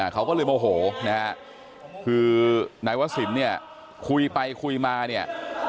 เขาก็เลยโมโหคือนายวะสินเนี่ยคุยไปคุยมาเนี่ย